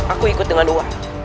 aku ikut dengan luar